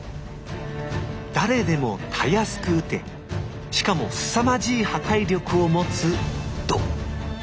誰でもたやすくうてしかもすさまじい破壊力を持つ弩